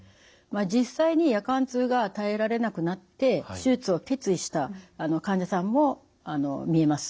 実際に夜間痛が耐えられなくなって手術を決意した患者さんもみえます。